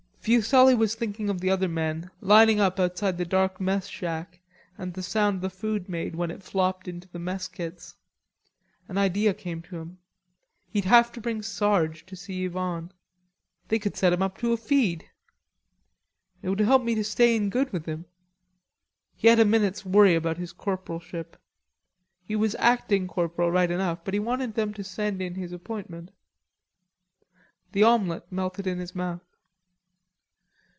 Fuselli was thinking of the other men lining up outside the dark mess shack and the sound the food made when it flopped into the mess kits. An idea came to him. He'd have to bring Sarge to see Yvonne. They could set him up to a feed. "It would help me to stay in good with him," He had a minute's worry about his corporalship. He was acting corporal right enough, but he wanted them to send in his appointment. The omelette melted in his mouth.